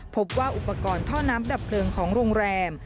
พบว่าอุปกรณ์ท่อน้ำดับเพลิงของโรงแรม